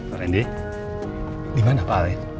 pak randy dimana pak alin